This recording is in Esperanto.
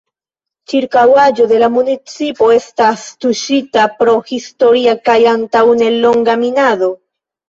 Ĉirkaŭaĵo de la municipo estas tuŝita pro historia kaj antaŭ nelonga minado.